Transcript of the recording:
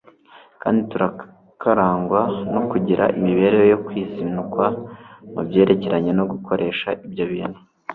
kandi tukarangwa no kugira imibereho yo kwizinukwa mu byerekeranye no gukoresha ibyo bintu